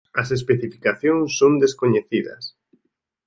As especificacións son descoñecidas.